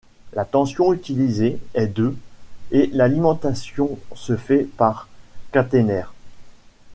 La tension utilisée est de et l'alimentation se fait par caténaires.